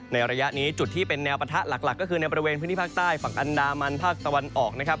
ระยะนี้จุดที่เป็นแนวปะทะหลักก็คือในบริเวณพื้นที่ภาคใต้ฝั่งอันดามันภาคตะวันออกนะครับ